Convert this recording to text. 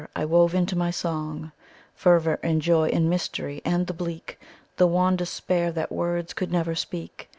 I wove into my song Fervour, and joy, and mystery, and the bleak, The wan despair that words could never speak.